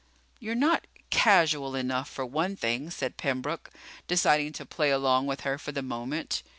"You're not casual enough, for one thing," said Pembroke, deciding to play along with her for the moment.